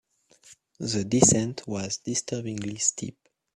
The descent was disturbingly steep.